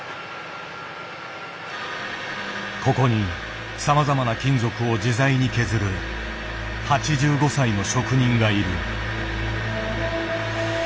ここにさまざまな金属を自在に削る８５歳の職人がいる。